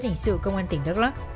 hình sự công an tỉnh đắk lắk